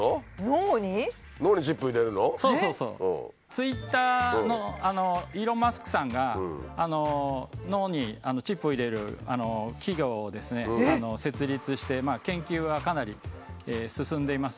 ツイッターのイーロン・マスクさんが脳にチップを入れる企業をですね設立して研究はかなり進んでいます。